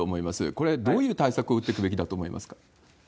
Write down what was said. これ、どういう対策を打ってくべきだと思いますか？